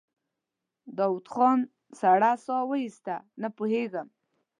داوود خان سړه سا وايسته: نه پوهېږم.